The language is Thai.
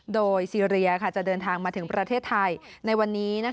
โดยซีเรียจะเดินทางมาถึงประเทศไทยในวันนี้